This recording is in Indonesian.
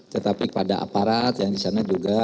tetapi kepada aparat yang di sana juga